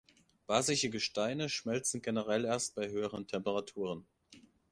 Basische Gesteine schmelzen generell erst bei höheren Temperaturen.